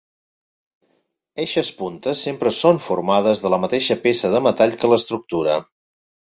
Eixes puntes sempre són formades de la mateixa peça de metall que l'estructura.